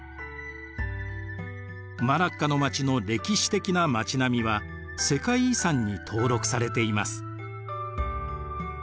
マラッカの町の歴史的な町並みは世界遺産に登録されています。